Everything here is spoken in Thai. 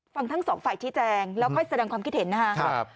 ฟังทั้งสองฝ่ายชี้แจงแล้วค่อยแสดงความคิดเห็นนะครับ